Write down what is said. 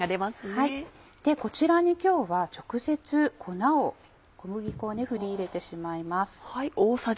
こちらに今日は直接粉を小麦粉を振り入れてしまいます。